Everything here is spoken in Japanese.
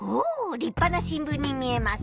りっぱな新聞に見えます。